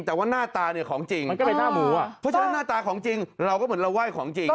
แต่ว่าหน้าตาเนี่ยของจริงเพราะฉะนั้นหน้าตาของจริงเราก็เหมือนเราไหว้ของจริง